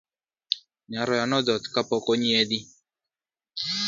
Nyaroya nodhoth kapok onyiedhi